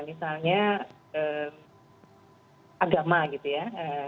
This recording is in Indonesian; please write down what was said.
misalnya agama gitu ya